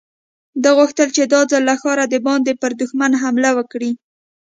ده غوښتل چې دا ځل له ښاره د باندې پر دښمن حمله وکړي.